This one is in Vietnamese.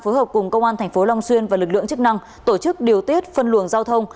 phối hợp cùng công an thành phố long xuyên và lực lượng chức năng tổ chức điều tiết phân luồng giao thông